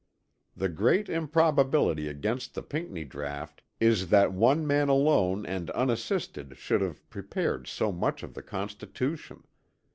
The great improbability against the Pinckney draught is that one man alone and unassisted should have prepared so much of the Constitution.